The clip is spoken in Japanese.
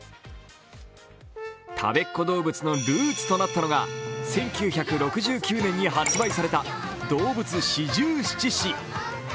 たべっ子どうぶつのルーツとなったのが１９６９年に発売ｓレタ「動物四十七士」。